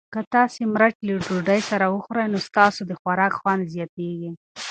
که تاسي مرچ له ډوډۍ سره وخورئ نو ستاسو د خوراک خوند زیاتیږي.